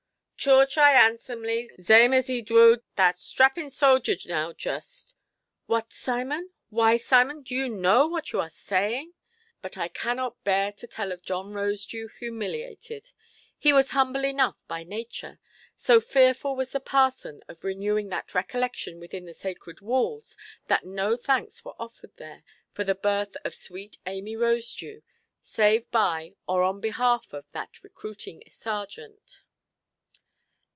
Choorch I handsomely, zame as 'e dwoed that strapping soger now jist". "What, Simon! Why, Simon, do you know what you are saying——" But I cannot bear to tell of John Rosedew humiliated; he was humble enough by nature. So fearful was the parson of renewing that recollection within the sacred walls, that no thanks were offered there for the birth of sweet Amy Rosedew, save by, or on behalf of, that recruiting sergeant.